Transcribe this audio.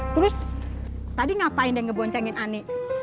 terus tadi ngapain deh ngeboncengin ani